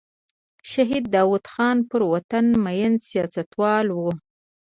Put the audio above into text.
شهید داود خان پر وطن مین سیاستوال و.